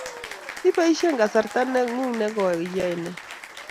iposhe kasarta ne ng'ung ne koi iyae nee